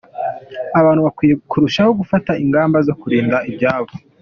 Abantu bakwiye kurushaho gufata ingamba zo kurinda ibyabo".